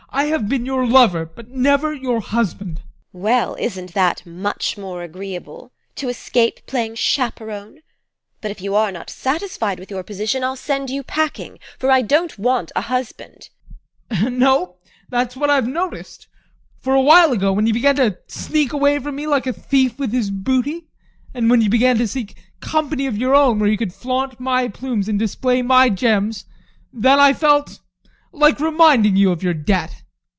I have been your lover, but never your husband. TEKLA. Well, isn't that much more agreeable to escape playing chaperon? But if you are not satisfied with your position, I'll send you packing, for I don't want a husband. ADOLPH. No, that's what I have noticed. For a while ago, when you began to sneak away from me like a thief with his booty, and when you began to seek company of your own where you could flaunt my plumes and display my gems, then I felt, like reminding you of your debt.